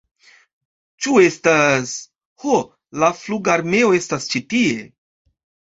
Ĉu estas... ho la flugarmeo estas ĉi tie!